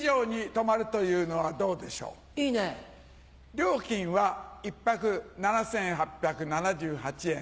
料金は１泊７８７８円。